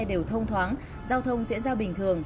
đều thông thoáng giao thông diễn ra bình thường